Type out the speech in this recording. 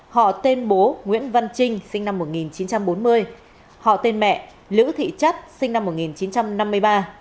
họ tên bố nguyễn văn trinh sinh năm một nghìn chín trăm bốn mươi họ tên mẹ lữ thị chất sinh năm một nghìn chín trăm năm mươi ba